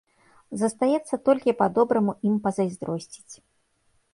Застаецца толькі па-добраму ім пазайздросціць.